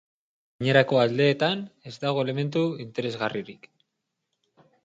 Gainerako aldeetan, ez dago elementu interesgarririk.